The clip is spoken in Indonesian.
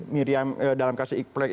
miriam dalam kasus ikhlas